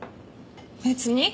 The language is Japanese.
別に。